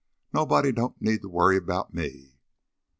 Nobody don't need to worry about me."